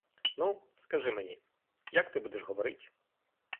Ну, скажи мені, як ти будеш говорить?